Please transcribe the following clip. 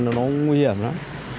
nó nguy hiểm lắm